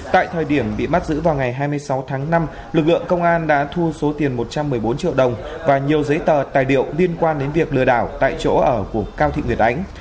tại thời điểm bị bắt giữ vào ngày hai mươi sáu tháng năm lực lượng công an đã thu số tiền một trăm một mươi bốn triệu đồng và nhiều giấy tờ tài liệu liên quan đến việc lừa đảo tại chỗ ở của cao thị nguyệt ánh